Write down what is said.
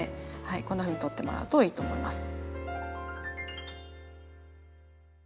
こんなふうに取ってもらうといいと思います。